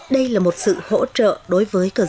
đây là một sự hỗ trợ đối với cơ sở